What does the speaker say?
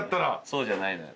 そうじゃないのよ。